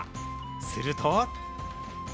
すると。